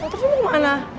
motornya mau kemana